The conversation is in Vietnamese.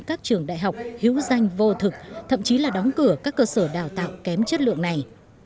các trường đại học hữu danh vô thực thậm chí là đóng cửa các cơ sở đào tạo kém chất lượng này